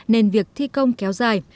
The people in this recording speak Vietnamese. nên việc thi công kéo dài